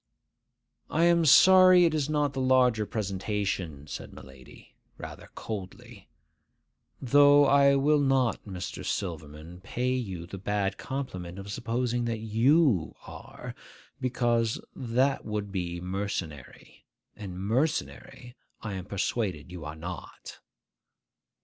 'I am sorry it is not the larger presentation,' said my lady, rather coldly; 'though I will not, Mr. Silverman, pay you the bad compliment of supposing that you are, because that would be mercenary,—and mercenary I am persuaded you are not.